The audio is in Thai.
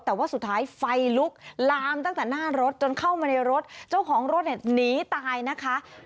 แต่ว่าสุดท้ายไฟลุกลามตั้งแต่หน้ารถจนเข้ามาในรถเจ้าของรถเนี่ยหนีตายนะคะ